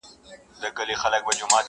ورک له نورو ورک له ځانه!!